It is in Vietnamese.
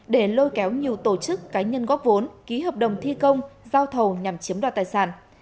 để lôi kéo nhiều tổ chức cá nhân góp vốn ký hợp đồng thi công giao thầu nhằm chiếm đoạt tài sản